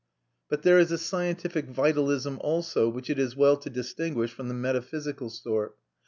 But there is a scientific vitalism also, which it is well to distinguish from the metaphysical sort.